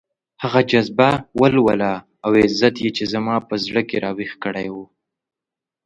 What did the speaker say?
هغه جذبه، ولوله او عزت يې چې زما په زړه کې راويښ کړی وو.